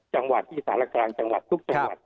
จังหวัดที่สารกลางจังหวัดทุกจังหวัด